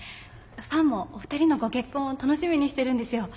ファンもお二人のご結婚を楽しみにしてるんですよ。